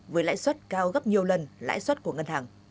với lãi suất cao gấp nhiều lần lãi suất của ngân hàng